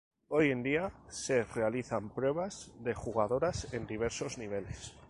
Hoy en día, se realizan pruebas de jugadoras en diversos niveles.